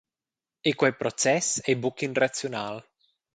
E quei process ei buc in raziunal.